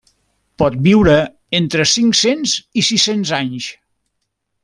Pot viure entre cinc-cents i sis-cents anys.